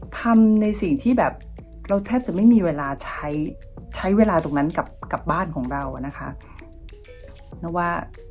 ทำในสิ่งที่แบบเราแทบจะไม่มีเวลาใช้ใช้เวลาตรงนั้นกับบ้านของเรานะคะ